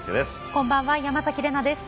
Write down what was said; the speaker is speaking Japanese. こんばんは山崎怜奈です。